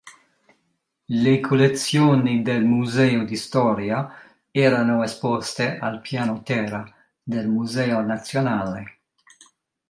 Le collezioni del Museo di storia erano esposte al piano terra del Museo nazionale.